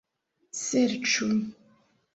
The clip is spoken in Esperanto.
serĉu